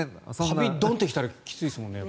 カビがドンって来たらきついですもんね。